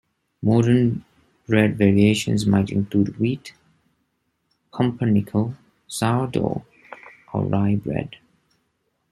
Modern bread variations might include wheat, pumpernickel, sour dough or rye bread.